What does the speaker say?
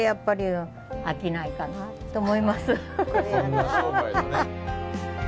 そんな商売がね。